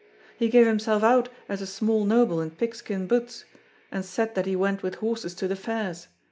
He gave himself out as a small noble in pigskin boots, and said that he went with horses to the fairs.